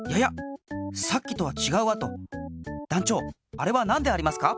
あれはなんでありますか？